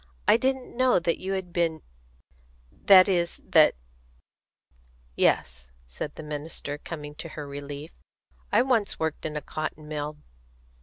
I didn't know that you had been that is, that " "Yes," said the minister, coming to her relief, "I once worked in a cotton mill.